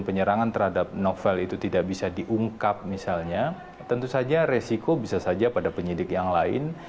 dan penyerangan terhadap novel itu tidak bisa diungkap misalnya tentu saja resiko bisa saja pada penyidik yang lain